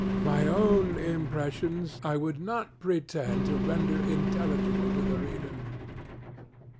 My own impressions I would not pretend to render intelligible to the reader.